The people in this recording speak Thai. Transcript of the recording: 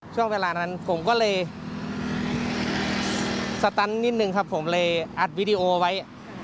ช่วงเวลานั้นผมก็เลยสตันนิดนึงครับผมเลยอัดวิดีโอไว้